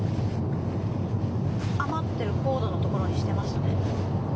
余ってるコードの所にしてましたね。